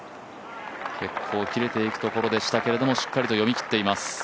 結構切れていくところでしたがしっかりと読み切っています。